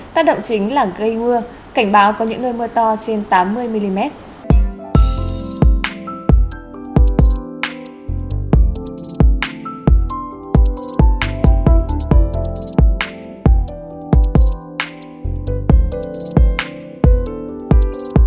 tác động chính là gây mưa cảnh báo có những nơi mưa to trên tám mươi mm